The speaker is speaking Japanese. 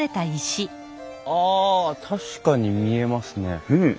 ああ確かに見えますね。